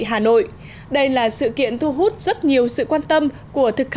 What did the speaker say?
hà nội đây là sự kiện thu hút rất nhiều sự quan tâm của thực hành thực tế văn hóa